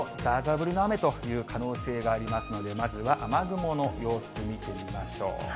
降りの雨という可能性がありますので、まずは雨雲の様子見てみましょう。